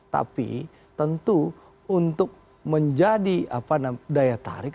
tapi tentu untuk menjadi daya tarik